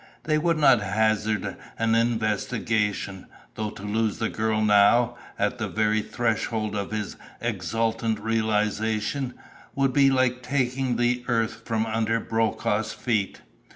They would not hazard an investigation, though to lose the girl now, at the very threshold of his exultant realization, would be like taking the earth from under Brokaw's feet.